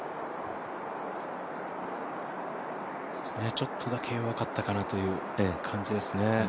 ちょっとだけ弱かったかなという感じですね。